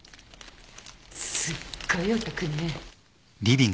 すっごいお宅ね。